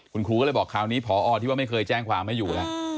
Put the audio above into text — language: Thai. คุณครูก็เลยบอกคราวนี้พอที่ว่าไม่เคยแจ้งความไม่อยู่แล้ว